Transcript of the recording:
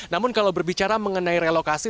namun kalau berbicara mengenai relokasi